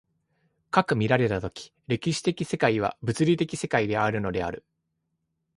斯く見られた時、歴史的世界は物理学的世界であるのである、